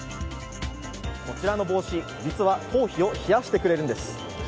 こちらの帽子、実は頭皮を冷やしてくれるんです。